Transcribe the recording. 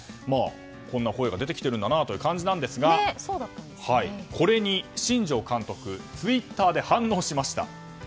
こんな声が出てきているという感じですがこれに、新庄監督ツイッターで反応しました。